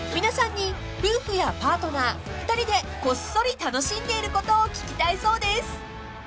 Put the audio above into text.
［皆さんに夫婦やパートナー２人でこっそり楽しんでいることを聞きたいそうです］